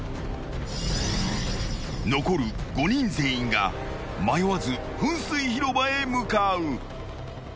［残る５人全員が迷わず噴水広場へ向かう］